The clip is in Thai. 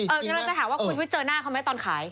เอออย่างนั้นจะถามว่าคุณเจอหน้าเขาไหมตอนขาย